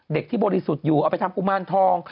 เด็กที่บริสุทธิ์อยู่เอาไปทำกุมารทอง